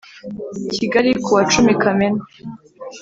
Kigali ku wacumi Kamena